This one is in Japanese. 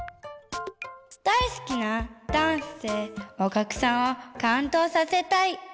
だいすきなダンスでおきゃくさんをかんどうさせたい！